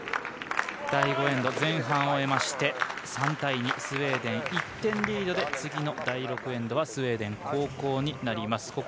第５エンド前半を終えまして３対２スウェーデン１点リードで次の第６エンドはスウェーデン後攻になります。